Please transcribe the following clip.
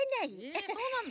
えそうなの？